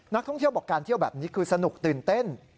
นักท่องเที่ยวบอกการเที่ยวแบบนี้คือสนุกตื่นเต้น